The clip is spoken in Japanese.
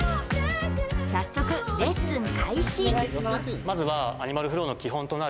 早速レッスン開始